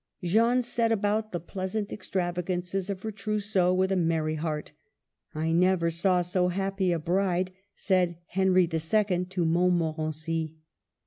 Jeanne set about the pleasant extravagances of her trousseau with a merry heart. '* I never saw so happy a bride," said Henry H. to Montmorency.